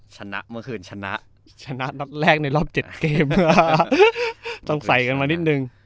ชนะเมื่อคืนชนะชนะนัดแรกในรอบ๗เกมต้องใส่กันมานิดนึง